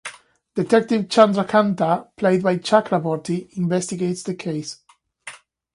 Detective Chandrakanta (played by Chakraborty) investigates the case.